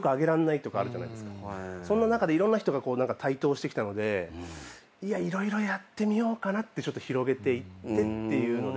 そんな中でいろんな人が台頭してきたので色々やってみようかなって広げていってっていうので。